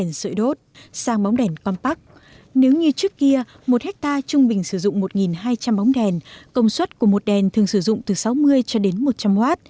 nếu như trước kia một hectare trung bình sử dụng một hai trăm linh bóng đèn công suất của một đèn thường sử dụng từ sáu mươi cho đến một trăm linh w